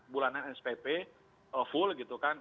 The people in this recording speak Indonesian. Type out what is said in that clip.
bulanan spp full gitu kan